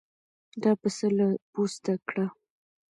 دا پسه له پوسته کړه.